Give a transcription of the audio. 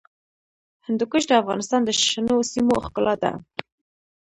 هندوکش د افغانستان د شنو سیمو ښکلا ده.